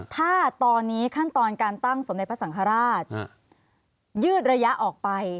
ถ้าตอนนี้ขั้นตอนการตั้งสมเด็จพระสังฆราชยืดระยะออกไป